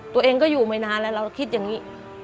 ตัวเองก็อยู่ไม่นานแล้วเราคิดอย่างนี้